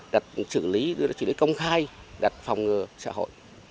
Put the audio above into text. đặt xử lý công khai đặt phòng ngừa xã hội